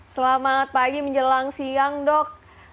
selamat pagi menjelang siang dok